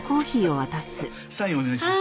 サインお願いします。